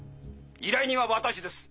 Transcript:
依頼人は私です。